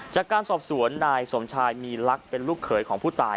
จากการสอบสวนนายสมชายมีลักษณ์เป็นลูกเขยของผู้ตาย